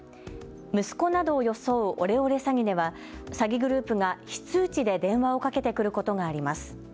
息子などを装うオレオレ詐欺では詐欺グループが非通知で電話をかけてくることがあります。